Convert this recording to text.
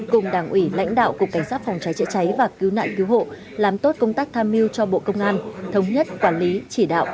cùng đảng ủy lãnh đạo cục cảnh sát phòng cháy chữa cháy và cứu nạn cứu hộ làm tốt công tác tham mưu cho bộ công an thống nhất quản lý chỉ đạo